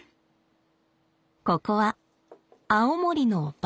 ここは青森のバー。